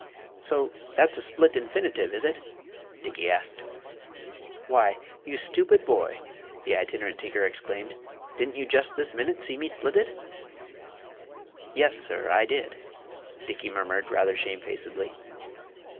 "So that's a split infinitive, is it?" Dickey asked. "Why, you stupid boy!" the Itinerant Tinker exclaimed; "didn't you just this minute see me split it?" "Yes, sir; I did," Dickey murmured rather shamefacedly.